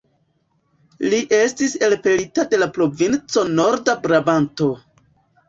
Li estis elpelita de la provinco Norda-Brabanto.